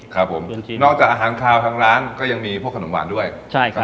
ครับผมจริงนอกจากอาหารคาวทางร้านก็ยังมีพวกขนมหวานด้วยใช่ครับ